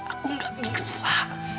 aku gak bisa